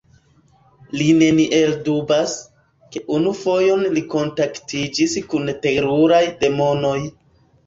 Li neniel dubas, ke unu fojon li kontaktiĝis kun teruraj demonoj.